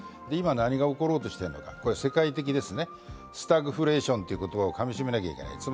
今何が起ころうとしてるのかこれは世界的にですね、スタグフレーションいう言葉をかみ締めなければいけない。